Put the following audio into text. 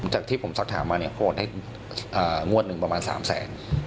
จากที่ผมสักถามมาเนี่ยโอนให้งวดหนึ่งประมาณ๓แสน